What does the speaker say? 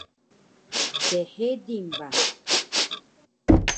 chedil ba